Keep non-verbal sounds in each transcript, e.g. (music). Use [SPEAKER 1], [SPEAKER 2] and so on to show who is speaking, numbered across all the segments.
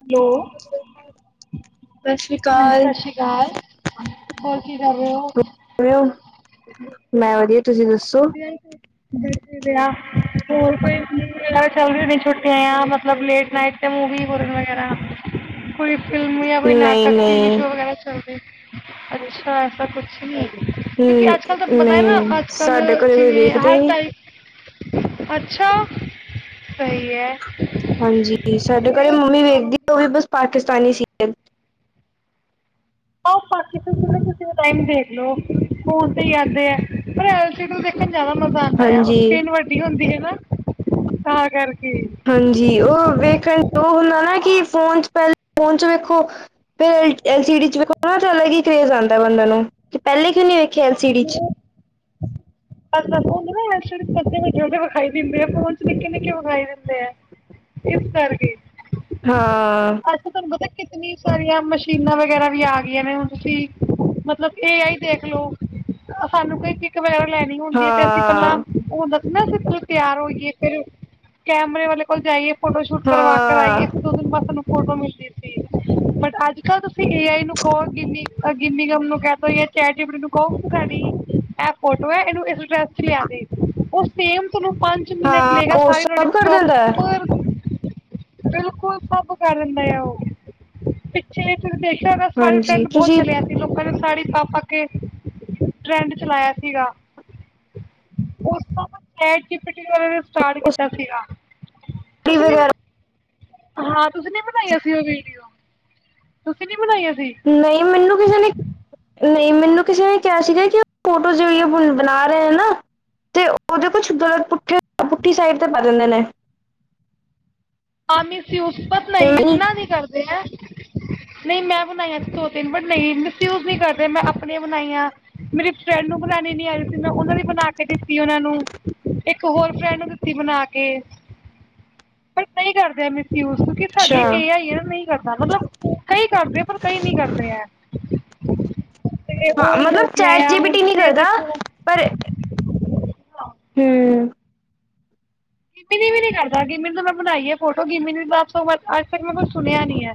[SPEAKER 1] Hello ਹਾਂਜੀ ਸ਼ ਸ਼੍ਰੀ ਕਾਲ ਹੋਰ ਕੀ ਕਰ ਰੇ ਓ?
[SPEAKER 2] ਮੈਂ ਵਧੀਆ। ਤੁਸੀਂ ਦੱਸੋ?
[SPEAKER 1] ਖੱਬੇ ਆਲੀ ਸਾਇਡ। ਦਸ ਦੇ ਆ ਹੋਰ ਕੋਈ ਸਕੂਲ ਵਗੈਰਾ ਚੱਲਰੀ ਨੇ ਛੁੱਟੀਆਂ ਮਤਲਬ ਲੇਟ ਨਾਈਟ ਮੂਵੀ ਹੋ ਵਗੈਰਾ ਕੋਈ ਫਿਲਮ ਜਾਂ ਕੋਈ
[SPEAKER 2] ਨਹੀਂ
[SPEAKER 1] ਨਾਟਕ ਟੀ ਵੀ
[SPEAKER 2] ਨਹੀਂ
[SPEAKER 1] ਸ਼ੋ ਵਗੈਰਾ ਚੱਲ ਰੇ।
[SPEAKER 2] ਹਮ
[SPEAKER 1] ਅੱਛਾ ਐਸਾ ਕੁਛ ਨੀ ਕਿਉਂਕਿ ਅੱਜ-ਕੱਲ ਤਾਂ ਪਤਾ ਏ ਨਾ
[SPEAKER 2] ਨਹੀਂ
[SPEAKER 1] ਅੱਜ-ਕੱਲ
[SPEAKER 2] ਸਾਡੇ ਘਰੇ ਕੋਈ
[SPEAKER 1] ਜਿਵੇ
[SPEAKER 2] ਵੇਖਦਾ
[SPEAKER 1] ਹਰ
[SPEAKER 2] ਹੀ ਨਹੀਂ।
[SPEAKER 1] ਟਾਈਪ, ਅੱਛਾ ਸਈ ਐ।
[SPEAKER 2] 'ਤੇ ਸਾਡੇ ਘਰੇ ਮੰਮੀ ਵੇਖਦੀ ਉਹ ਵੀ ਬਸ ਪਾਕਿਸਤਾਨੀ ਸੀ ਅਲ।
[SPEAKER 1] ਆ ਪਾਕਿਸਤਾਨੀ ਕਿਸੇ ਟਾਇਮ ਦੇਖ ਲੋ ਫੋਨ 'ਤੇ ਈ ਆਂਦੇ ਐ ਪਰ ਥੇ ਜਿਆਦਾ ਮਜ਼ਾ ਆਂਦਾ ਆ ਉਹ
[SPEAKER 2] ਹਾਂਜੀ।
[SPEAKER 1] ਸਕਰੀਨ ਵੱਡੀ ਹੁੰਦੀ ਏ ਨਾ, ਤਾਂ ਕਰਕੇ।
[SPEAKER 2] ਹਾਂਜੀ ਉਹ ਵੇਖਣ ਉਹ ਹੁੰਦਾ ਨਾ ਕਿ ਫੋਨ 'ਚ ਪਹਿਲ ਫੋਨ 'ਚ ਵੇਖੋ ਫੇਰ ਐਲ, ਐਲ ਸੀ ਡੀ 'ਚ ਵੇਖੋ ਨਾ 'ਤੇ ਅਲੱਗ ਈ ਕਰੇਜ਼ ਆਂਦਾ ਬੰਦਾ ਨੂੰ ਕੇ ਪਹਿਲੇ ਕਿਉਂ ਨੀ ਵੇਖਿਆ ਐਲ ਸੀ ਡੀ 'ਚ।
[SPEAKER 1] ਉਹ ਹੁੰਦਾ ਨਾ ਐਲ ਸੀ ਡੀ 'ਚ ਵੱਡੇ-ਵੱਡੇ ਵਿਖਾਈ ਦਿੰਦੇ ਐ ਫੋਨ 'ਚ ਨਿੱਕੇ-ਨਿੱਕੇ ਵਿਖਾਈ ਦਿੰਦੇ ਐ। ਇਸ ਕਰਕੇ।
[SPEAKER 2] ਹਾਂ।
[SPEAKER 1] ਅੱਜ ਤੁਹਾਨੂੰ ਪਤਾ ਏ ਕਿਤਨੀ ਸਾਰੀਆਂ ਮਸ਼ੀਨਾਂ ਵਗੈਰਾ ਵੀ ਆ ਗਈਆਂ ਨੇ ਹੁਣ ਤੁਸੀਂ ਮਤਲਬ ਏ ਆਈ ਦੇਖਲੋ ਸਾਨੂੰ ਕੋਈ ਕਿਕ ਵਗੈਰਾ ਲੈਣੀ ਹੁੰਦੀ ਏ 'ਤੇ ਅਸੀਂ ਪਹਿਲਾਂ
[SPEAKER 2] ਹਾਂ
[SPEAKER 1] ਉਹ ਦੱਸ ਨਾਅ ਤਿਆਰ ਹੋਈਏ ਫਿਰ ਕੈਮਰੇ ਵਾਲੇ ਕੋਲ ਜਾਈਏ ਫੋਟੋ ਸ਼ੂਟ ਕਰਵਾ ਕਰ
[SPEAKER 2] ਹਾਂ
[SPEAKER 1] ਆਈਏ ਇਕ, ਦੋ ਦਿਨ ਬਾਦ ਸਾਨੂੰ ਫੋਟੋ ਮਿਲਦੀ ਸੀ ਬਟ ਅੱਜ-ਕੱਲ ਤੁਸੀਂ ਏ ਆਈ ਨੂੰ ਕਹੋ ਗਿਨੀ ਗਿਮੀ ਗਮ ਨੂੰ ਕਹਿ ਦੋ ਜੇ ਚੈਟ ਜੀ ਪੀ ਟੀ ਨੂੰ ਕਹੋ ਸਾਡੀ ਐਹ ਫੋਟੋ ਐ ਇਹਨੂੰ ਇਸ ਡਰੈੱਸ 'ਚ ਲਿਆ ਦੇ ਉਹ ਸੇਮ ਤੋਨੂੰ ਪੰਜ ਮਿੰਨਟ
[SPEAKER 2] ਹਾਂ
[SPEAKER 1] ਲੇਗਾ
[SPEAKER 2] ਉਹ
[SPEAKER 1] ਸਾਰੀ ਤੁਹਾਡੀ
[SPEAKER 2] ਸਭ ਕਰ
[SPEAKER 1] ਪ੍ਰੋ
[SPEAKER 2] ਦਿੰਦਾ ਹੈ
[SPEAKER 1] ਪਰ ਬਿਲਕੁਲ ਸਭ ਕਰ ਦਿੰਦਾ ਆ ਉਹ ਪਿੱਛੇ ਤੁਸੀਂ ਦੇਖਿਆ ਹੋਗਾ ਸਾਰੇ
[SPEAKER 2] ਹਾਂਜੀ
[SPEAKER 1] ਟਰੈਂਡ ਬਹੁਤ
[SPEAKER 2] ਤੁਸੀਂ
[SPEAKER 1] ਚਲੇ ਆਂ ਲੋਕਾਂ ਨੇ ਸਾੜੀ ਪਾ-ਪਾ ਕੇ ਟਰੈਂਡ ਚਲਾਇਆ ਸੀਗਾ। ਉਹ ਸਭ ਚੈਟ ਜੀ ਪੀ ਟੀ ਵਾਲਿਆ ਨੇ ਸਟਾਰਟ
[SPEAKER 2] ਉਹ
[SPEAKER 1] ਕੀਤਾ ਸੀਗਾ।
[SPEAKER 2] ਸਾੜੀ
[SPEAKER 1] ਤੁਸੀ ਨੀ
[SPEAKER 2] ਵਗੈਰਾ
[SPEAKER 1] ਹਾਂ ਤੁਸੀਂ ਨੀ ਬਣਾਈਆ ਸੀ ਉਹ ਵੀਡੀਓ, ਤੁਸੀਂ ਨੀ ਬਣਾਈਆਂ ਸੀ।
[SPEAKER 2] ਨਈਂ, ਮੈਨੂੰ ਕਿਸੇ ਨੇ ਨਈ, ਮੈਨੂੰ ਕਿਸੇ ਨੇ ਕੇਆ ਸੀਗਾ ਕਿ ਓ, ਫੋਟੋਜ ਔਈਓ ਪੁੱਲ ਬਨਾ ਰੇ ਆ ਨਾ? 'ਤੇ ਓਦੇ ਕੁਛ ਗਲਤ ਪੁਠੇ, ਪੁਠੀ ਸਾਈਡ 'ਤੇ ਪੈ ਜਾਂਦੇ ਨੇ।
[SPEAKER 1] ਹਾਂ ਮਿੱਸ ਯੂਸ ਪਰ
[SPEAKER 2] ਤੇ
[SPEAKER 1] ਨਈ,
[SPEAKER 2] ਮੈਂ-
[SPEAKER 1] ਇਤਨਾ ਨਈ ਕਰਦੇ ਐ। ਨਈਂ, ਮੈਂ ਬਨਾਈਆਂ ਦੋ-ਤਿੰਨ ਬਟ ਨਈਂ, ਮਿਸਯੂਜ ਨੀ ਕਰਦੇ ਮੈਂ ਆਪਨੀਆਂ ਬਨਾਈਆਂ। ਮੇਰੀ ਫਰੈਂਡ ਨੂੰ ਬਨਾਨੀ ਨੀ ਆ ਰੀ ਸੀ, ਮੈਂ ਉਨੂੰ ਵੀ ਬਨਾ ਕੇ ਦਿੱਤੀ ਉਨਾਂ ਨੂੰ। ਇੱਕ ਹੋਰ ਫ੍ਰੈਂਡ ਨੂੰ ਦਿੱਤੀ ਬਨਾ ਕੇ। ਕਈ ਕਰਦੇ ਐ ਮਿਸ ਯੂਸਂ, ਕੇ ਸਾਡੀ
[SPEAKER 2] ਅੱਛਾ
[SPEAKER 1] ਏ, ਆਈ, ਏ ਨਈ। ਸਾਡਾ ਮਤਲਬ, ਕਈ ਕਰਦੇ ਆ, ਪਰ ਕਈ ਨੀ ਕਰਦੇ ਐ। ਤੇ ਓ
[SPEAKER 2] ਹਾਂ
[SPEAKER 1] ਹੋ
[SPEAKER 2] ਮਤਲਬ
[SPEAKER 1] ਕੇ
[SPEAKER 2] ਚੈਟ
[SPEAKER 1] ਆਇਆ, ਹੁਨ
[SPEAKER 2] ਜੀਪੀਟੀ ਨਹੀਂ
[SPEAKER 1] ਤੁਸੀਂ ਏਅ
[SPEAKER 2] ਕਰਦਾ
[SPEAKER 1] ਦੇਖੋ।
[SPEAKER 2] ਪਰ, ਹੂੰ।
[SPEAKER 1] ਗਿਮਨੀ ਵੀ ਨੀ ਕਰਦਾ ਗੀਮਿਨੀ ਤੋਂ ਮੈਂ ਬਨਾਈ ਏ ਫੋਟੋ ਗਿਮੀ ਵੀੱ ਤ (unintelligible) ਸੁਨਿਆ ਨੀ ਐ,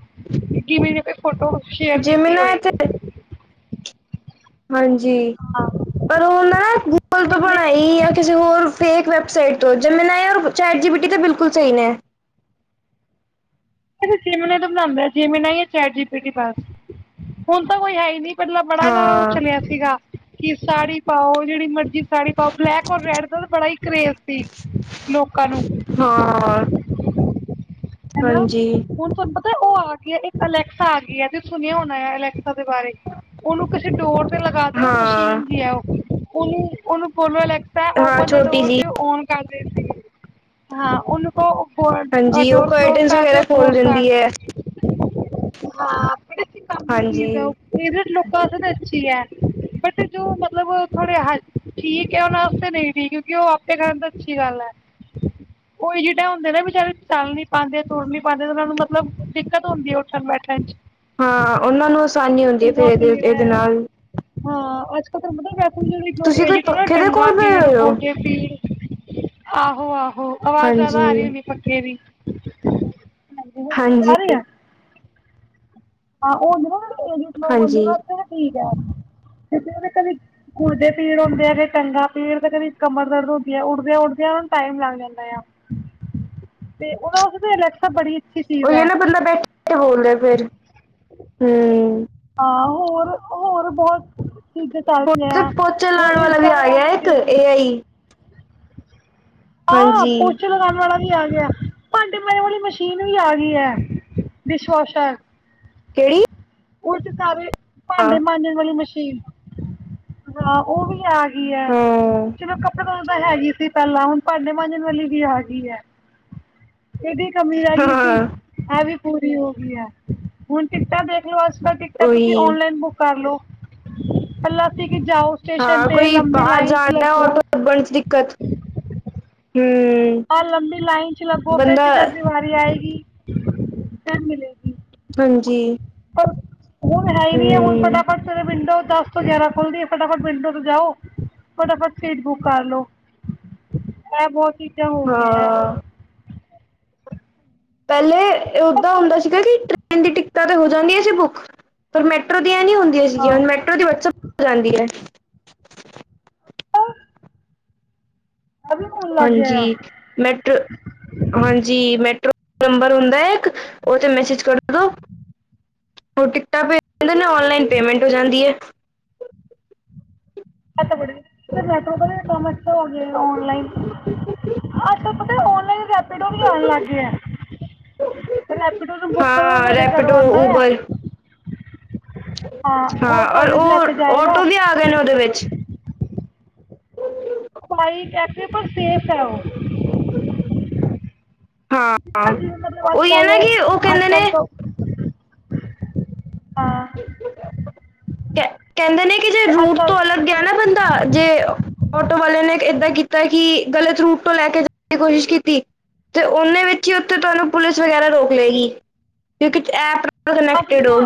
[SPEAKER 1] ਗਿਮਿਨੀ ਨੇ ਕੋਈ ਫੋਟੋ ਸ਼ੇਅਰ ਕੀਤੀ
[SPEAKER 2] ਜਿਮਨਾ
[SPEAKER 1] ਹੋਏਗੀ?
[SPEAKER 2] ਤੇ ਹਾਂਜੀ।
[SPEAKER 1] (inaudible)
[SPEAKER 2] ਗੂਪਲ ਤੋਂ
[SPEAKER 1] ਬਟ ਨਹੀਂ
[SPEAKER 2] ਬਨਾਈ ਆ, ਕਿਸੇ ਹੋਰ ਫੇਕ ਵੈਬਸਾਈਟ ਤੋਂ, ਜੈਮਿਨੀ ਔਰ ਚੈਟ ਜੀ, ਬੀ, ਟੀ ਬਿਲਕੁਲ ਸਹੀ ਨੇ।
[SPEAKER 1] ਅਸੀ ਜਿਮਨੀ ਤੋਂ ਬਨਾਂਦੈ, ਜਿਮਨਈ ਚੈਟਜੀਪੀਟੀ ਪਾਸ, ਹੁਨ ਤਾਂ ਕੋਈ ਹੈ ਈ ਨੀ। ਪਹਿਲਾਂ ਬੜਾ ਦਾਓ
[SPEAKER 2] ਹਾਂ
[SPEAKER 1] ਚਲਿੱਆ ਸੀਗਾ। ਕਿ ਸਾੜੀ ਪਾਓ, ਜੇਹੜੀ ਮਰਜੀ ਸਾੜੀ ਪਾਓ, ਬਲੈਕ ਔਰ ਰੈਡ ਦਾ ਬੜਾ ਈ ਕਰੇਜ਼ ਸੀ। ਲੋਕਾਂ ਨੂੰ।
[SPEAKER 2] ਹਾਂ।
[SPEAKER 1] ਹੈਲੋ,
[SPEAKER 2] ਹਾਂਜੀ
[SPEAKER 1] ਹੁਨ ਸਰਬਤ? (unintelligible) ਤੇ ਓ ਆ ਗੀ ਏ, ਇੱਕ ਅਲੈਕਸਾ ਆ ਗੀ ਏ, ਤੇ ਸੁਨਿਆ ਹੋਨੈ ਐ ਅਲੈਕਸਾ ਦੇ ਬਾਰੇ? ਓਨੂੰ ਕਿਸੇ ਡੋਰ ਫਿਰ ਲਗਾ ਦੋ
[SPEAKER 2] ਹਾਂ
[SPEAKER 1] ਮਸ਼ੀਨ ਦੀ ਐ ਉਹ, ਓਨੂੰ-ਓਨੂੰ ਬੋਲੋ, ਅਲੈਕਸਾ,
[SPEAKER 2] ਹਾਂ
[SPEAKER 1] ਓਪਨ ਦ
[SPEAKER 2] ਛੋਟੀ
[SPEAKER 1] ਡੋਰ,
[SPEAKER 2] ਜੀ
[SPEAKER 1] ਤੇ ਓਨ ਕਰ ਦਿਤੀ ਏ, ਹਾਂ ਓਨੂੰ ਕੋ, ਖੋਲ 'ਅ
[SPEAKER 2] ਹਾਂਜੀ ਉਹ
[SPEAKER 1] ਡੋਰ।
[SPEAKER 2] ਕਰਟਨਸ
[SPEAKER 1] ਕਰ ਦੇਓ
[SPEAKER 2] ਵਗੈਰਾ ਖੋਲ
[SPEAKER 1] ਕਲੋਸ, ਕਰ
[SPEAKER 2] ਦਿੰਦੀ ਹੈ
[SPEAKER 1] ਦਿੱਤੀ, ਹਾਂ, ਪਤੈ ਕਿ ਕੰਮ ਦੀ
[SPEAKER 2] ਹਾਂਜੀ
[SPEAKER 1] ਚੀਜ਼ ਐ ਓ। ਫੇਵਰੇਟ ਲੋਕਾਂ ਵਾਸਤੇ ਤਾਂ ਅੱਛੀ ਐ, ਬਟ ਜੋ ਮਤਲਬ ਥੋੜੇ ਹਾੲ, ਠੀਕ ਐ, ਓਨਾਂ ਵਾਸਤੇ ਨਈ। ਕਿਉਂਕਿ ਉਹ ਆਪੇ ਕਰਨ ਤਾਂ ਅੱਛੀ ਗੱਲ ਐ, ਓਈ ਜਿਡੇ ਹੁੰਦੇ ਨੇ ਵਿਚਾਰੇ, ਚੱਲ ਨੀ ਪਾਂਦੇ, ਤੁਰ ਨੀ ਪਾਂਦੇ ਤੇ ਉਨਾਂ ਨੂੰ ਮਤਲਬ, ਦਿੱਕਤ ਹੁੰਦੀ ਏ ਉੱਠਣ- ਬੈਠਣ 'ਚ।
[SPEAKER 2] ਹਾਂ, ਓਨਾਂ ਨੂੰ ਆਸਾਨੀ ਹੁੰਦੀ ਏ
[SPEAKER 1] ਟੰਗਾ
[SPEAKER 2] ਫੇਰ ਦੇ,
[SPEAKER 1] ਪੀੜ
[SPEAKER 2] ਏਦੇ
[SPEAKER 1] ਹੈ
[SPEAKER 2] ਨਾਲ।
[SPEAKER 1] ਹਾਂ, ਅੱਜ -ਕੱਲ ਤਾਂ ਮਤਲਬ ਵੈਸੇ ਜਿਹੜੇ ਜੋ ਵੀ
[SPEAKER 2] ਤੁਸੀਂ
[SPEAKER 1] ਏ
[SPEAKER 2] ਕੋਈ
[SPEAKER 1] ਜੀ,
[SPEAKER 2] ਪੱਖੇ ਦੇ ਕੋਲ ਪਏ
[SPEAKER 1] ਟੰਗਾ-ਪੀੜ
[SPEAKER 2] ਹੋਏ ਹੋ
[SPEAKER 1] ਗੋਡੇ-ਪੀੜ ਆਹੋ, ਆਹੋ, ਆਵਾਜ਼
[SPEAKER 2] ਹਾਂਜੀ
[SPEAKER 1] ਜਾਦਾ ਆ ਰੀ ਹੋਨੀ ਪੱਖੇ ਦੀ। ਹਾਂਜੀ, ਹੁਨ ਠੀਕ
[SPEAKER 2] ਹਾਂਜੀ
[SPEAKER 1] ਆ ਰੀ ਐ। ਹਾਂ, ਓ ਹੁੰਦੇ ਨਾ, ਲੋਕ ਹੁੰਦੇ
[SPEAKER 2] ਹਾਂਜੀ
[SPEAKER 1] ਨਾ ਤੇ ਠੀਕ ਐ, ਫਿਰ ਤੇ ਨਾ ਕਦੀ। ਗੋਡੇ ਪੀੜ ਹੁੰਦੇ ਆ ਤੇ ਟੰਗਾ ਪੀੜ, ਤੇ ਕਦੇ ਕਮਰ ਦਰਦ ਹੁੰਦੀ ਐ, ਉੱਠਦਿਆਂ- ਉੱਠਦਿਆਂ ਨਾ ਟਾਈਮ ਲੱਗ ਜਾਂਦਾ ਆ। ਤੇ ਓਨਾਂ ਵਾਸਤੇ ਅਲੈਕਸਾ ਬੜੀ। ਅੱਛੀ ਚੀਜ਼
[SPEAKER 2] ਔਈਓ
[SPEAKER 1] ਹੈ
[SPEAKER 2] ਨਾ ਬੰਦਾ ਬੈਠ, ਕੇ ਬੋਲਦੈ ਫਿਰ, ਹੂੰ।
[SPEAKER 1] ਹਾਂ, ਹੋਰ-ਹੋਰ ਬੋਹਤ। ਚੀਜ਼ਾਂ ਚਲ
[SPEAKER 2] ਹੁਣ ਤੇ
[SPEAKER 1] ਪੇਆ,
[SPEAKER 2] ਪੋਚੇ ਲਾਉਣ
[SPEAKER 1] ਹੁਨ
[SPEAKER 2] ਵਾਲਾ ਵੀ ਆ ਗਿਆ
[SPEAKER 1] ਇੰਸਟਾਗ੍ਰਾਮ ਈ
[SPEAKER 2] ਇੱਕ
[SPEAKER 1] ਦੇਖਲੋ।
[SPEAKER 2] ਏ ਆਈ
[SPEAKER 1] ਆ,
[SPEAKER 2] ਹਾਂਜੀ
[SPEAKER 1] ਪੋਚੇ ਲੱਗਾਨ ਵਾਲਾ। ਮੀਂ ਆ ਗਿਆ, ਭਾਂਡੇ ਮਾਂਜਨ ਵਾਲੀ ਮਸ਼ੀਨ ਵੀ ਆ ਗਈ ਐ, ਡਿਸ਼ਵਾਸ਼ਰ।
[SPEAKER 2] ਕੇਹੜੀ?
[SPEAKER 1] ਉੱਠ ਜਾ ਵੀ, ਭਾਂਡੇ ਮਾਂਜਣ ਵਾਲੀ ਮਸ਼ੀਨ, ਹਾਂ ਓ ਵੀ ਆ। ਕੀ ਐ,
[SPEAKER 2] ਹਾਂ
[SPEAKER 1] ਚਲੋ ਕੱਪੜੇ ਧੋਨ ਤਾਂ ਹੈਗੀ ਸੀ। ਪਹਿਲਾਂ ਹੁਨ ਭਾਂਡੇ ਮਾਂਜਣ ਵਾਲੀ ਵੀ ਆ ਗਈ ਐ, ਏਦੀ ਕਮੀ ਰੈ ਗਈ ਸੀ।
[SPEAKER 2] ਹਾਂ
[SPEAKER 1] ਇਹ ਵੀ, ਪੂਰੀ ਹੋ ਗਈ ਐ। ਹੁਣ ਟਿਕਟਾਂ ਦੇਖ ਲੋੋ, ਅੱਜ-ਕੱਲ ਟਿਕਟਾਂ ਤੁਸੀਂ
[SPEAKER 2] ਉਹੀ
[SPEAKER 1] ਔਨਲਾਈਨ ਬੁੱਕ ਕਰ ਲੋ, ਪੱਲਾ ਸੀ ਕਿ ਜਾਓ ਸਟੇਸ਼ਨ
[SPEAKER 2] ਹਾਂ,
[SPEAKER 1] ਤੇ
[SPEAKER 2] ਕੋਈ ਬਾਹਰ
[SPEAKER 1] ਚ
[SPEAKER 2] ਜਾਣਾ
[SPEAKER 1] ਲੱਗੋ
[SPEAKER 2] ਔਟੋ ਲੱਬਣ 'ਚ ਦਿੱਕਤ, ਹਮ
[SPEAKER 1] ਔਰ ਲੰਬੀ ਲਾਈਨ 'ਚ ਲੱਗੋ, ਫੇਰ
[SPEAKER 2] ਬੰਦਾ
[SPEAKER 1] ਟਿੱਕਟ ਦੀ ਵਾਰੀ ਆਏ ਗੀ, ਫਿਰ ਮਿਲੇਗੀ।
[SPEAKER 2] ਹਾਂਜੀ।
[SPEAKER 1] ਪਰ ਹੁਣ ਹੈ ਨੀ ਹੈ, ਹੁਣ
[SPEAKER 2] ਹਮ
[SPEAKER 1] ਫਟਾਫਟ ਸਵੇਰੇ ਵਿੰਡੋ ਦਸ ਵਜੇ ਖੁੱਲਦੀਏ, ਫਟਾਫਟ ਵਿੰਡੋ ਤੋਂ ਜਾਓ, ਫਟਾਫਟ ਸੀਟ ਬੁੱਕ ਕਰ ਲੋ। ਇਹ, ਬਹੁਤ ਚੀਜ਼ਾਂ ਹੋ ਗਈਆਂ ਆ।
[SPEAKER 2] ਹਾਂ ਪਹਿਲੇ ਉਓਦਾਂ ਹੁੰਦਾ ਸੀਗਾ, ਕਿ ਟ੍ਰੇਨ ਦੀ ਟਿਕੀਟ ਤੇ ਹੋ ਜਾਂਦੀਆਂ ਸੀ ਬੁੱਕ, ਪਰ ਮੈਟਰੋ ਦੀਆਂ ਨੀ ਹੁੰਦੀਆਂ ਸੀਗੀਆ,
[SPEAKER 1] ਹਾਂ
[SPEAKER 2] ਹੁਣ ਮੈਟਰੋ ਦੀ ਵਟਸਪ ਹੋ ਜਾਂਦੀ ਹੈ।
[SPEAKER 1] ਆ (inaudible)
[SPEAKER 2] ਹਾਂਜੀ, ਮੈਟਰ ਹਾਂਜੀ, ਮੈਟਰੋ ਨੰਬਰ ਹੁੰਦਾ ਹੈ ਇੱਕ, ਉਹਦੇ ਤੇ ਮੈਸੇਜ ਕਰ ਦਿਉ ਉਹ ਟਿਕਟਾਂ ਪੇਜ ਦੇੰਦੇ ਨੇ, ਔਨਲਾਈਨ ਪੇਮੈਂਟ ਹੋ ਜਾਂਦੀ ਹੈ।
[SPEAKER 1] ਬੜ ਮੈ ਕੰਮ ਅੱਛਾ ਹੋ ਗਿਆ, ਔਨਲਾਈਨ। (unintelligible) ਅੱਜਕੱਲ ਪਤਾ, ਓਨਲਾਈਨ ਰੈਪੀਡੋ ਵੀ ਆਉਣ ਲੱਗ ਗੀਆਏ। ਰੈਪਡੋ ਨੂੰ ਬੁੱਕ ਕਰੋ,
[SPEAKER 2] ਹਾਂ
[SPEAKER 1] ਸਾਡੇ ਘਰੋਂ
[SPEAKER 2] ਰੈਪੀਡੋ
[SPEAKER 1] ਆਉਂਦਾ ਆ।
[SPEAKER 2] ਉਬਰ ਹਾਂ, ਔਰ
[SPEAKER 1] ਸਾਨੂੰ ਲੈ ਕੇ
[SPEAKER 2] ਉਹ,
[SPEAKER 1] ਜਾਏਗਾ
[SPEAKER 2] ਔਟੋ ਵੀ ਆ ਗਏ ਨੇ ਉਹਦੇ ਵਿੱਚ ਓਕੇ (inaudible)
[SPEAKER 1] ਸਾਈਡ ਹੈ, ਪਰ ਸੇਫ ਹੈ ਉਹ
[SPEAKER 2] ਹਾਂ
[SPEAKER 1] ਨਾ ਜਿਵੇਂ ਮਤਲਬ ਅੱਜ
[SPEAKER 2] ਉਹੀ ਹੈ
[SPEAKER 1] ਕੱਲ
[SPEAKER 2] ਨਾ ਕਿ, ਉਹ
[SPEAKER 1] ਅੱਜ
[SPEAKER 2] ਕਹਿੰਦੇ ਨੇ
[SPEAKER 1] ਕੱਲ ਲੋਕ ਹਾਂ
[SPEAKER 2] ਕਹਿੰਦੇ ਨੇ, ਕਿ ਜੇ
[SPEAKER 1] ਅੱਛਾ (unintelligible)
[SPEAKER 2] ਕਹਿਣਾ, ਬੰਦਾ ਜੇ ਆਟੋ ਵਾਲੇ ਨੇ ਏਦਾਂ ਕੀਤਾ ਕਿ, ਗ਼ਲਤ ਰੂਟ ਤੋਂ ਲੈ ਕੇ ਜਾਣ ਦੀ ਕੋਸ਼ਿਸ਼ ਕੀਤੀ ਤੇ ਉਹਨੇ ਵਿੱਚ ਹੀ, ਉੱਥੇ ਤੁਹਾਨੂੰ ਪੁਲਿਸ ਵਗੈਰਾ ਰੋਕ ਲਏਗੀ, ਕਿਉਂਕਿ ਐਪ ਨਾਲ
[SPEAKER 1] ਆਪਲ
[SPEAKER 2] ਕਨੈਕਟਡ
[SPEAKER 1] (inaudible)
[SPEAKER 2] ਹੋ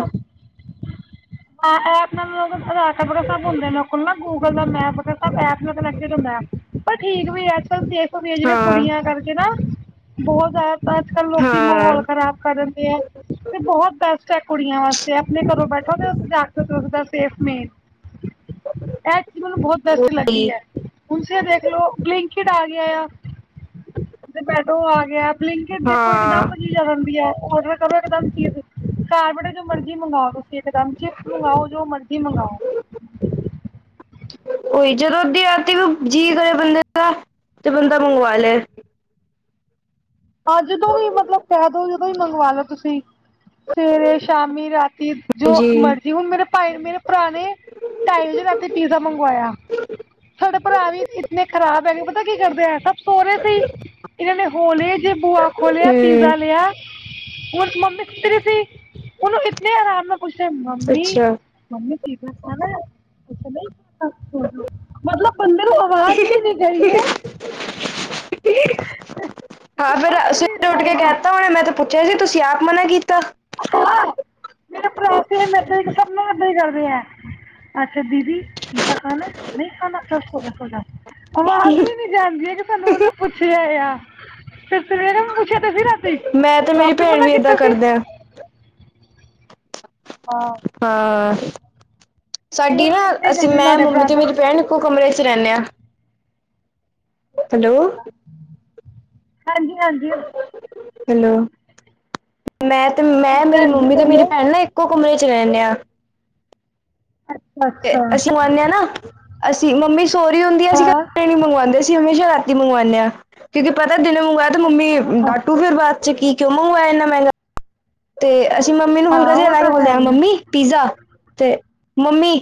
[SPEAKER 1] ਆ ਐਪ ਨਾਲ ਆਧਾਰ ਕਾਟ ਵਗੈਰਾ, ਸਭ ਹੁੰਦਾ ਏਨਾ ਕੋਲ ਨਾ, ਗੂਗਲ ਅੋਰ ਮੈਪ ਵਗੇ ਐਪ ਨਾਲ ਕਨੈਕਟ ਹੁੰਦਾ, ਪਰ ਠੀਕ ਵੀ ਹੈ, ਅੱਜ ਕੱਲ ਸੇਵ ਵੀ ਜਿਹੜੇ
[SPEAKER 2] ਹਾਂ
[SPEAKER 1] ਕੁੜੀਆਂ ਕਰਕੇ ਨਾ, ਬਹੁਤ ਜ਼ਿਆਦਾ ਤਾਂ, ਅੱਜ ਕੱਲ੍ਹ ਲੋਕੀ ਮਾਹੌਲ
[SPEAKER 2] ਹਾਂ
[SPEAKER 1] ਖਰਾਬ ਕਰ ਦੇ ਐ, ਤੇ ਬਹੁਤ ਬੈਸ ਆ ਕੁੜੀਆਂ ਵਾਸਤੇ, ਆਪਣੇ ਘਰੋਂ ਬੈਠੋ ਤੇ ਜਾ ਸੇਫ ਮੇਨ ਇਹ ਚੀਜ, ਮੈਨੂੰ ਬਹੁਤ ਬੈਸਟ ਲੱਗੀ
[SPEAKER 2] ਉਹੀ
[SPEAKER 1] ਹੈ। ਉੇ ਦੇਖ ਲੋੋ, ਬਲਿੰਕਟ ਆ ਗਿਆ ਆ, ਜਮੈਟੋ ਗਿਆ ਬਲਿੰਕਟ ਦੇਖੋ, ਇਕ
[SPEAKER 2] ਹਾਂ
[SPEAKER 1] ਦਮ ਚੀਜ਼ ਆ ਜਾਂਦੀ ਹੈ। ਆਰਡਰ ਕਰੋ, ਇਕ ਦਮ ਚੀਜ਼ ਘਰ ਬੈਠੇ, ਜੋ ਮਰਜ਼ੀ ਮੰਗਾਓ ਤੁਸੀਂ ਇਕਦਮ, ਚਿਪਸ ਮੰਗਾਓ, ਜੋ ਮਰਜ਼ੀ ਮੰਗਾਓ
[SPEAKER 2] ਕੋਈ ਜਦੋਂ ਉਹਓਦੀ ਰਾਤੀ ਵੀ, ਜੀਅ ਕਰੇ ਬੰਦੇ ਦਾ, ਤੇ ਬੰਦਾ ਮੰਗਵਾ ਲੈ। (unintelligible)
[SPEAKER 1] ਹਾਂ ਜਦੋਂ ਵੀ ਮਤਲਬ ਕਹਿ ਦੋ, ਜਦੋਂ ਵੀ ਮੰਗਵਾ ਲੋ ਤੁਸੀਂ। ਸਵੇਰੇ -ਸ਼ਾਮੀ, ਰਾਤੀ, ਜੋ
[SPEAKER 2] ਜੀ
[SPEAKER 1] ਮਰਜ਼ੀ ਹੁਣ ਮੇਰੇ ਭਾਈ ਮੇਰੇ ਭਰਾ ਨੇ, ਟਾਈ ਵਜੇ ਰਾਤੀ ਪੀਜ਼ਾ ਮੰਗਵਾਇਆ। ਸਾਡੇ ਭਰਾ ਵੀ ਈਤ ਇੰਤਨੇ ਖਰਾਬ ਹੈਗੇ, ਪਤਾ ਕੀ ਕਰਦੇ ਐ ਸੋਰੇ ਸੀ, ਇਹਨਾਂ ਨੇ ਹੋ ਲਏ ਜੇ ਬੂਆ ਖੋਲਿਆ, ਪੀਜ਼ਾ
[SPEAKER 2] ਹੂੰ
[SPEAKER 1] ਲਿਆ ਹੋਣ ਮੰਮੀ ਸੁੱਤੀ ਦੀ ਸੀ, ਉਹਨੂੰ ਇਤਨੇ ਆਰਾਮ ਨਾਲ ਪੁੱਛਰਾ ਐ, ਮੰਮੀ
[SPEAKER 2] ਅੱਛਾ
[SPEAKER 1] ਮੰਮੀ ਪੀਜ਼ਾ ਖਾਣਾ ਏ, ਨਹੀਂ ਖਾਣਾ, ਚਲੋ ਸੋ ਜੋ, ਮਤਲਬ ਬੰਦੇ ਨੂੰ ਆਵਾਜ਼ ਵੀ ਨਹੀਂ ਗਈ ਹੈ।
[SPEAKER 2] ਹਾਂ ਫੇਰ ਸਵੇਰੇ ਉੱਠ ਕੇ ਕਹਿਤਾ ਹੁਨੇ ਮੈਂ ਤੇ (unintelligible) ਪੁੱਛਿਆ ਸੀ ਤੁਸੀਂ ਆਪ ਮਨਾ ਕੀਤਾ।
[SPEAKER 1] ਸ ਸਭ ਨਾਲ ਇੱਦਾਂ ਹੀ ਕਰਦੇ ਆ, ਅੱਛਾ ਦੀਦੀ (unintelligible) ਪੀਜ਼ਾ ਖਾਨਾ ਨਹੀਂ ਖਾਨਾ ਚਲ ਸੋ ਜਾ ਸੋ ਜਾ ਅਵਾਜ਼ ਵੀ ਨਹੀਂ। ਜਾਂਦੀਆਂ ਕਿ ਤੁਹਾਨੂੰ ਉਹਨੂੰ ਪੁੱਛਿਆ ਆ ਤੇ ਸਵੇਰੇ ਮੈਂ ਪੁੱਛਿਆ ਤੇ ਸੀ ਰਾਤੀ,
[SPEAKER 2] ਮੈਂ ਤੇ
[SPEAKER 1] ਤੁ
[SPEAKER 2] ਮੇਰੀ
[SPEAKER 1] ਆਪੀ
[SPEAKER 2] ਭੈਣ
[SPEAKER 1] ਮਨਾ
[SPEAKER 2] ਵੀ ਏਦਾਂ
[SPEAKER 1] ਕੀਤਾ ਸੀ।
[SPEAKER 2] ਕਰਦੇ (inaudible) (inaudible)
[SPEAKER 1] ਹਾਂ।
[SPEAKER 2] ਹਾਂ,
[SPEAKER 1] ਇਹ
[SPEAKER 2] ਸਾਡੀ
[SPEAKER 1] ਮੈਂ
[SPEAKER 2] ਨਾ
[SPEAKER 1] ਤੇ
[SPEAKER 2] ਅਸੀਂ
[SPEAKER 1] ਕਰੀ
[SPEAKER 2] ਮੈਂ
[SPEAKER 1] ਤੁਹਾਡੇ
[SPEAKER 2] ਮੰਮੀ ਤੇ
[SPEAKER 1] ਬ੍ਰਦਰ
[SPEAKER 2] ਮੇਰੀ ਭੈਨ ਇਕੋ ਕਮਰੇ ਚ ਰਹਿੰਨੇ ਆ ਹੈਲੋ
[SPEAKER 1] ਹਾਂਜੀ-ਹਾਂਜੀ।
[SPEAKER 2] ਹੈਲੋ ਮੈਂ ਤੇ ਮੈਂ
[SPEAKER 1] ਹਾਂਜੀ
[SPEAKER 2] ਮੇਰੀ
[SPEAKER 1] ਹਾਂਜੀ
[SPEAKER 2] ਮੰਮੀ ਤੇ
[SPEAKER 1] ਬੋਲੋ
[SPEAKER 2] ਮੇਰੀ ਭੈਨ ਨਾ ਇੱਕੋ ਕਮਰੇ ਚ ਰਹਨੇ ਆ।
[SPEAKER 1] ਅੱਛਾ ਅੱਛਾ
[SPEAKER 2] ਅਸੀਂ ਮੰਗਾਨੇ ਹਾਂ ਨਾ ਅਸੀਂ ਮੰਮੀ ਸੋ ਰੀ ਹੁੰਦੀ ਆ ਅਸੀਂ
[SPEAKER 1] ਹਾਂ
[SPEAKER 2] ਕਦੇ ਨਹੀਂ ਮੰਗਵਾਂਦੇ ਅਸੀਂ ਹਮੇਸ਼ਾ ਰਾ ਮੰਗਵਾਨੇ ਆ ਕਿਉਂਕਿ ਪਤਾ ਦਿਨੇ ਮੰਗਵਾਇਆ ਤੇ
[SPEAKER 1] ਅੱਛਾ
[SPEAKER 2] ਮੰਮੀ ਡਾਟੂ ਫਿਰ ਬਾਅਦ ਚ ਕੀ ਕਿਉਂ ਮੰਗਵਾਇਆ ਏਨਾ ਮਹਿੰਗਾ। ਤੇ ਅਸੀਂ ਮੰਮੀ ਨੂੰ
[SPEAKER 1] ਹਾਂ
[SPEAKER 2] ਹਲਕਾ ਜਿਹਾ
[SPEAKER 1] ਉਹ
[SPEAKER 2] ਹਲਾ ਕੇ
[SPEAKER 1] ਤਾਂ ਹੈ
[SPEAKER 2] ਬੋਲਦੇਿਆ
[SPEAKER 1] ਹੀ ਆ
[SPEAKER 2] ਮੰਮੀ ਪੀਜ਼ਾ ਤੇ ਮੰਮੀ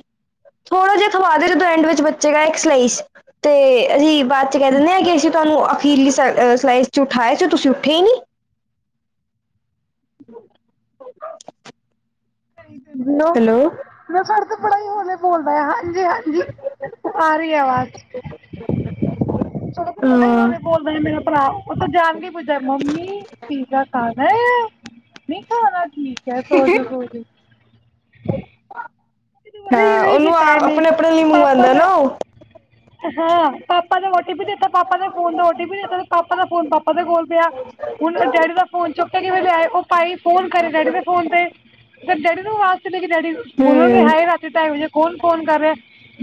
[SPEAKER 2] ਥੋੜਾ ਜਿਹਾ ਥਵਾ ਦੇ ਜਦੋਂ ਐਂਡ ਵਿੱਚ ਬੱਚੇਗਾ ਇੱਕ ਸਲਾਈਸ ਤੇ ਅਸੀਂ ਬਾਅਦ 'ਚ ਕਹਿ ਦਿੰਦੇ ਹਾਂ ਕਿ ਅਸੀਂ ਤੁਹਾਨੂੰ ਅਖੀਰਲੀ ਸਲ ਸਲਾਈਸ 'ਚ ਉਠਾਇਆ ਸੀ ਤੁਸੀਂ ਉੱਠੇ ਈ ਨੀ। (inaudible) (inaudible)
[SPEAKER 1] ੂੰ (unintelligible)
[SPEAKER 2] ਹੈਲੋ
[SPEAKER 1] (unintelligible) ਮੈਂ ਸਾਡੇ ਤੇ ਬੜਾ ਈ ਹੋਲੇ ਬੋਲਦਾ ਹਾਂਜੀ - ਹਾਂਜੀ ਆ ਰਹੀ ਆਵਾਜ਼। ਸਾਡੇ ਤੇ ਬੜਾ
[SPEAKER 2] ਹਾਂ
[SPEAKER 1] ਹੋਲੇ ਬੋਲਦਾ ਮੇਰਾ ਭਰਾ। ਉਹ ਤਾਂ ਜਾਨ ਕੇ ਪੁੱਛਦਾ ਮੰਮੀ ਪੀਜ਼ਾ ਖਾਨਾ ਆ। ਨਹੀਂ ਖਾਨਾ ਠੀਕ ਹੈ ਸੋਜੋ - ਸੋਜੋ। ਦੁਬਾਰਾ ਹੀ
[SPEAKER 2] ਹਾਂ
[SPEAKER 1] ਨਹੀਂ
[SPEAKER 2] ਉਹਨੂੰ
[SPEAKER 1] ਕੀਤਾ
[SPEAKER 2] ਆਪ
[SPEAKER 1] ਇਹਨੇ
[SPEAKER 2] ਅਪਣੇ -ਅਪਣੇ ਲਈ
[SPEAKER 1] ਪਾਪਾ
[SPEAKER 2] ਮੰਗਵਾਂਦਾ ਨਾ
[SPEAKER 1] ਦਾ
[SPEAKER 2] ਉਹ।
[SPEAKER 1] ਹਾਂ ਪਾਪਾ ਨੇ ਓਟੀ ਪੀ ਦਿੱਤਾ ਪਾਪਾ ਨੇ ਫੋਨ ਦਾ ਓਟੀ ਪੀ ਦਿੱਤਾ ਤੇ ਪਾਪਾ ਦਾ ਫੋਨ ਪਾਪਾ ਦੇ ਕੋਲ ਪਿਆ। ਹੁਨ ਡੈਡੀ ਦਾ ਫੋਨ ਚੁੱਕ ਕੇ ਕਿਵੇਂ ਲਿਆਏ ਉਹ ਭਾਈ ਫੋਨ ਕਰੇ ਡੈਡੀ ਦੇ ਫੋਨ ਤੇ। ਫੇਰ ਡੈਡੀ ਨੂੰ ਅਵਾਜ਼ ਚਲੀ ਗਈ ਡੈਡੀ ਬੋਲਣਗੇ
[SPEAKER 2] ਹਮ
[SPEAKER 1] ਹਾਏ ਰਾਤੀ ਢਾਈ ਵਜੇ ਕੌਨ ਫੋਨ ਕਰ ਰਿਹਾ।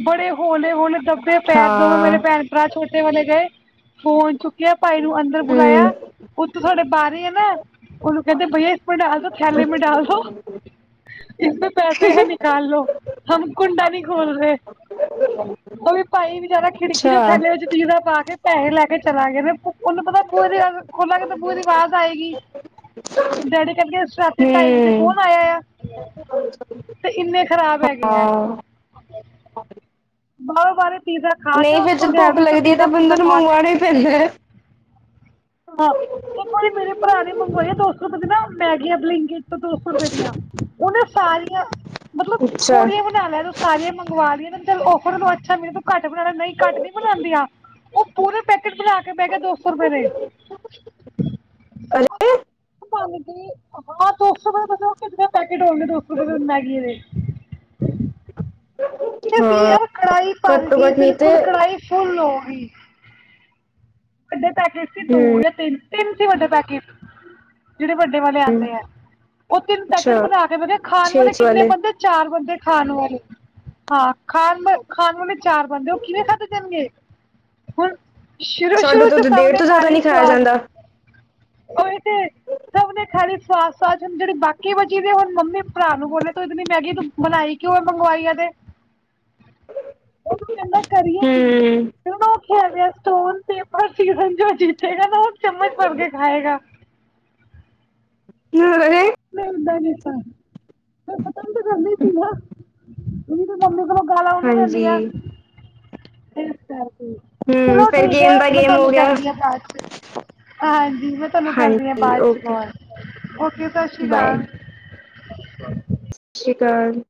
[SPEAKER 1] ਬੜੇ ਹੋਲੇ-ਹੋਲੇ ਦੱਬੇ ਪੈਰ ਦੋਵੇ
[SPEAKER 2] ਹਾਂ
[SPEAKER 1] ਮੇਰੇ ਭੈਣ-ਭਰਾ ਛੋਟੇ ਵਾਲੇ ਗਏ। ਫੋਨ ਚੁੱਕਿਆ ਭਾਈ ਨੂੰ ਅੰਦਰ
[SPEAKER 2] ਹਮ
[SPEAKER 1] ਬੁਲਾਇਆ ਉਤੋਂ ਸਾਡੇ ਬਾਰੀ ਏ ਨਾ। ਉਹਨੂੰ ਕਹਿੰਦੇ ਭਾਈਆ ਇਸਮੇਂ ਡਾਲ ਦੋ ਥੈਲੇ ਮੈਂ ਡਾਲ ਦੋ। ਇਸਮੇ ਪੈਸੇ ਹੈ ਨਿਕਾਲ ਲੋ ਹਮ ਕੁੰਡਾ ਨਹੀਂ ਖੋਲ ਰਹੇ। ਉਹ ਵੀ ਭਾਈ ਵਿਚਾਰਾ ਖਿੜਕੀ ਚੋ
[SPEAKER 2] ਅੱਛਾ
[SPEAKER 1] ਥੈਲੇ ਵਿੱਚ ਪੀਜ਼ਾ ਪਾ ਕੇ ਪੈਹੇ ਲੈ ਕੇ ਚਲਾ ਗਿਆ। ਉਹਨੂੰ ਪਤਾ ਪੂਰੀ ਏਵੇਂ ਖੋਲਾਂਗੇ ਤੇ ਪੂਰੀ ਵਾਜ਼ ਆਏਗੀ। ਡੈਡੀ ਕਹਿੰਨਗੇ ਰਾਤੀ ਢਾਈ ਵਜੇ
[SPEAKER 2] ਹਮ
[SPEAKER 1] ਕੌਨ ਆਇਆ ਆ। ਤੇ ਇੰਨੇ ਖ਼ਰਾਬ ਹੈਗੇ ਆ।
[SPEAKER 2] ਹਾਂ
[SPEAKER 1] ਬਾਹਰੋਂ-ਬਾਹਰੇ ਪੀਜ਼ਾ ਖਾ ਕੇ
[SPEAKER 2] ਨਹੀਂ ਫੇਰ
[SPEAKER 1] ਉੱਤੋਂ
[SPEAKER 2] ਜਦੋਂ ਭੁੱਖ
[SPEAKER 1] ਗੈਲਰੀ ਚੋਂ
[SPEAKER 2] ਲੱਗਦੀ ਹੈ ਤੇ
[SPEAKER 1] ਪੀਜ਼ਾ
[SPEAKER 2] ਬੰਦੇ
[SPEAKER 1] ਪੂਜ਼ਾ
[SPEAKER 2] ਨੂੰ
[SPEAKER 1] ਖਾ ਕੇ
[SPEAKER 2] ਮੰਗਵਾਣਾ ਹੀ ਪੈਂਦਾ।
[SPEAKER 1] ਹਾਂ ਇੱਕ ਵਾਰੀ ਮੇਰੇ ਭਰਾ ਨੇ ਮੰਗਵਾਏ ਦੋ ਸੌ ਰੁਪਏ ਦੀ ਨਾ ਮੈਗੀ ਬਲਿੰਗ ਕਿ ਦੋ ਸੌ ਰੁਪਏ ਦੀਆਂ ਉਹਨੇ ਸਾਰੀਆਂ ਮਤਲਬ
[SPEAKER 2] ਅੱਛਾ
[SPEAKER 1] ਥੋੜੀਆਂ ਲੈ ਤੂੰ ਸਾਰੀਆਂ ਮੰਗਵਾ ਲਈਆਂ ਚਲ ੳਫਰ ਨੂੰ ਅੱਛਾ ਨਹੀਂ ਤੁ ਘਟ ਬਨਾ ਲੈ ਨਹੀਂ ਘੱਟ ਨੀ ਬਣਾਦੀਆਂ। ਉਹ ਪੂਰੇ ਪੈਕੇਟ ਬਣਾ ਕੇ ਬੈ ਗਿਆ ਦੋ ਸੌ ਦੀ (unintelligible) (unintelligible) ਹਾਂ ਦੋ ਸੌ ਰੁਪਏ ਕਿਨੇ ਪੈਕੇਟ ਹੋਣ ਗੇ ਦੋ ਸੌ ਰੁਪਏ ਮੈਗੀ ਦੇ ਬਸ ਇਹੀ
[SPEAKER 2] ਹਾਂ
[SPEAKER 1] ਏ ਕੜਾਹੀ ਭਰ
[SPEAKER 2] ਘੱਟੋ
[SPEAKER 1] ਗਈ
[SPEAKER 2] ਘੱਟ ਨਹੀਂ ਤੇ
[SPEAKER 1] ਬਿਲਕੁਲ ਕੜਾਹੀ ਫੁੱਲ ਹੋ ਗਈ। ਵੱਡੇ ਪੈਕੇਟ ਸੀ ਦੋ
[SPEAKER 2] ਹਮ
[SPEAKER 1] ਯਾ ਤਿੰਨ-ਤਿੰਨ ਸੀ ਵੱਡੇ ਪੈਕੇਟ ਜਿਹੜੇ ਵੱਡੇ ਵਾਲੇ ਆਂਦੇ ਹੈ ਉਹ ਤਿੰਨ ਪੈਕੇਟ
[SPEAKER 2] ਅੱਛਾ
[SPEAKER 1] ਬਣਾ ਕੇ ਮੈਂ ਖਾਣ
[SPEAKER 2] ਛੇ
[SPEAKER 1] ਵਾਲੇ
[SPEAKER 2] ਚ
[SPEAKER 1] ਕਿੰਨੇ ਬੰਦੇ ਚਾਰ ਬੰਦੇ ਖਾਣ ਵਾਲੇ ਹਾਂ ਖਾਣ ਖਾਣ ਵਾਲੇ ਚਾਰ ਬੰਦੇ ਉਹ ਕਿਵੇਂ ਖਾਧੇ ਜਾਣਗੇ ਹੁਣ
[SPEAKER 2] ਸਾਡੇ
[SPEAKER 1] ਸ਼ੂ
[SPEAKER 2] ਤੋਂ ਤਾਂ ਡੇਢ
[SPEAKER 1] ਸਭਣੇ
[SPEAKER 2] ਤੋਂ ਜ਼ਿਆਦਾ
[SPEAKER 1] ਖਾਲੀ
[SPEAKER 2] ਨਹੀਂ ਖਾਇਆ
[SPEAKER 1] ਸਆਦ
[SPEAKER 2] ਜਾਂਦਾ।
[SPEAKER 1] ਉਹ ਤੇ ਸਭ ਨੇ ਖਾਲੀ ਸੌਆਦ ਹੁਣ ਜਿਹੜੇ ਬਾਕੀ ਬਚੀ ਦੇ ਹੁਣ ਮੰਮੀ ਭਰਾ ਨੂੰ ਬੋਲਿਆ ਤ ਇਹਨੀ ਮੈਗੀ ਤੂੰ ਬਣਾਈ ਕਿਉਂ ਮੰਗਵਾਈ ਏਦੇ (unintelligible) ਉਹਨੂੰ ਕਹਿੰਦਾ ਕਰੀਏ ਕੀ
[SPEAKER 2] ਹੂੰ।
[SPEAKER 1] ਉਹ ਖੇਲ ਰੇਹਾ ਸਟੋਨ ਤੇ ਪਰ ਸੀਜ਼ਨ ਜੋ ਜੀਤੇਗਾ ਨਾ ਉਹ ਚਮਚ ਭਰ ਕੇ ਖਾਏਗਾ
[SPEAKER 2] (unintelligible)
[SPEAKER 1] ਮੈਂ ਉਦਾ ਕਿਤਾ ਪਰ ਖਤਮ ਤਾਂ ਕਰਦੀ ਸੀ ਨਾ ਨੀ ਤੇ ਮੰਮੀ ਕੋਲੋਂ ਗਾਲਾ ਓਹਨੂੰ
[SPEAKER 2] ਹਾਂਜੀ
[SPEAKER 1] ਪੈਂਦੀਆਂ
[SPEAKER 2] ਹੂੰ
[SPEAKER 1] ਚਲੋ
[SPEAKER 2] ਫਿਰ
[SPEAKER 1] ਠੀਕ ਹੈ
[SPEAKER 2] ਗੇਮ ਦਾ
[SPEAKER 1] ਮੈਂ
[SPEAKER 2] ਗੇਮ ਹੋ
[SPEAKER 1] ਤੁਹਾਨੂੰ
[SPEAKER 2] ਗਿਆ
[SPEAKER 1] ਕਰਦੀ ਹ ਬਾਚ ਹਾਂਜੀ ਮੈਂ ਤੁਹਾਨੂੰ ਕਰਦੀ ਹ
[SPEAKER 2] ਹਾਂਜੀ
[SPEAKER 1] ਬਾਅਦ ਚ
[SPEAKER 2] ਓਕੇ
[SPEAKER 1] ਕੋਲ ਓਕੇ ਸਤਿ ਸ਼੍ਰੀ
[SPEAKER 2] ਬਾਏ
[SPEAKER 1] ਅਕਾਲ
[SPEAKER 2] ਸਤਿ ਸ਼੍ਰੀ ਅਕਾਲ